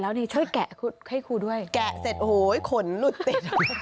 พายแกะเสร็จโห้ยขนรุดติด